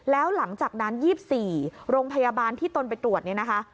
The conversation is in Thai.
แล้วหลังจากนั้น๒๔โรงพยาบาลที่ตนไปตรวจ